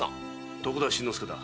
徳田新之助だ。